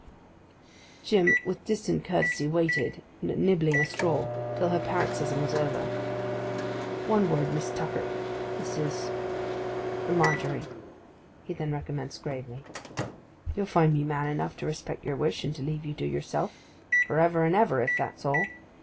Jim with distant courtesy waited, nibbling a straw, till her paroxysm was over. 'One word, Miss Tuck—Mrs.—Margery,' he then recommenced gravely. 'You'll find me man enough to respect your wish, and to leave you to yourself—for ever and ever, if that's all.